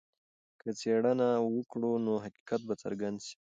که څېړنه وکړو نو حقیقت به څرګند سي.